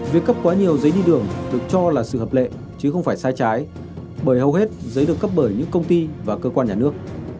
việc cấp quá nhiều giấy đi đường được cho là sự hợp lệ chứ không phải sai trái bởi hầu hết giấy được cấp bởi những công ty và cơ quan nhà nước